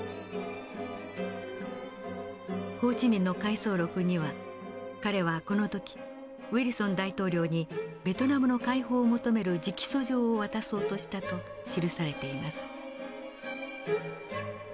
ホー・チ・ミンの回想録には彼はこの時ウィルソン大統領にベトナムの解放を求める直訴状を渡そうとしたと記されています。